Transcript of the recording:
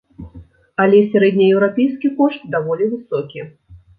Але сярэднееўрапейскі кошт даволі высокі.